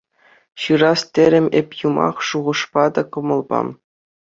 Ҫырас терӗм эп юмах, шухӑшпа та кӑмӑлпа.